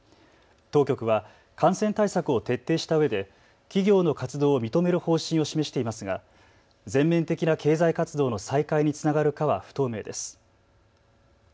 当局は感染対策を徹底したうえで企業の活動を認める方針を示していますが全面的な経済活動の再開につながるかは不透明です。